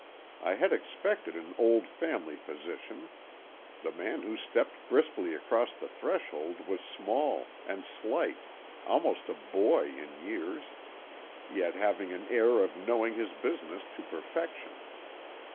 I had expected an old family physician. The man who stepped briskly across the threshold was small and slight, almost a boy in years, yet having an air of knowing his business to perfection.